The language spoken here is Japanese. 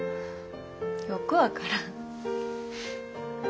よく分からん。